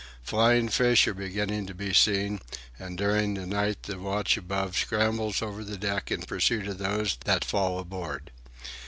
Flying fish are beginning to be seen, and during the night the watch above scrambles over the deck in pursuit of those that fall aboard.